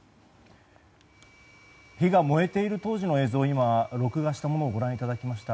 火が燃えている当時の映像を録画したものをご覧いただきました。